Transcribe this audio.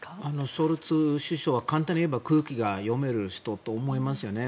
ショルツ首相は簡単に言えば空気が読める人と思いますよね。